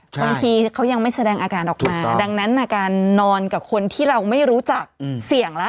บางทีเขายังไม่แสดงอาการออกมาดังนั้นการนอนกับคนที่เราไม่รู้จักเสี่ยงแล้ว